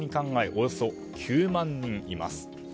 およそ９万人います。